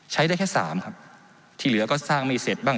ใช้ได้แค่สามครับที่เหลือก็สร้างไม่เสร็จบ้าง